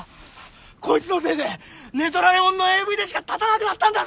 こいつのせいで寝取られもんのＡＶでしか勃たなくなったんだぞ！